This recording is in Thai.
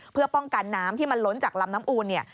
เพื่อป้องกันน้ำที่มันล้นจากลำน้ำอูลเนี่ย